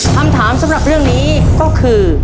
คำถามสำหรับเรื่องนี้ก็คือ